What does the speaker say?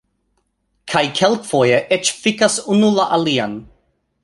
Kaj kelkfoje eĉ fikas unu la alian